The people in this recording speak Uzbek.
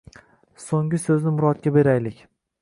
So‘nggi so‘zni Murodga beraylik.